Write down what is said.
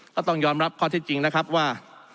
ก็ต้องยอมรับข้อที่จริงนะครับว่า